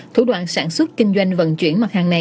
thủ đoạn sản xuất kinh doanh vận chuyển mặt hàng này